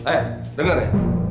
eh denger ya